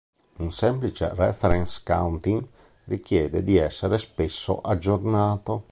Un semplice reference counting richiede di essere spesso aggiornato.